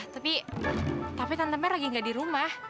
tapi tapi tante merry lagi gak di rumah